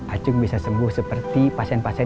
acung bisa sembuh seperti pasien pasien